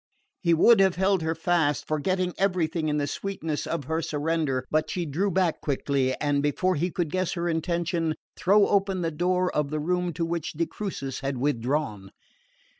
He would have held her fast, forgetting everything in the sweetness of her surrender; but she drew back quickly and, before he could guess her intention, throw open the door of the room to which de Crucis had withdrawn.